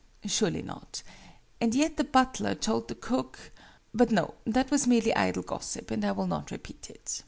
Surely not: and yet the butler told the cook but no, that was merely idle gossip, and I will not repeat it.